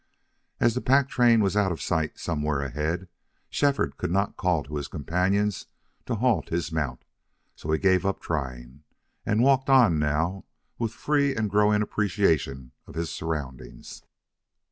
As the pack train was out of sight somewhere ahead, Shefford could not call to his companions to halt his mount, so he gave up trying, and walked on now with free and growing appreciation of his surroundings.